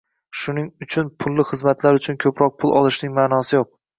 Shuning uchun pulli xizmatlar uchun ko'proq pul olishning ma'nosi yo'q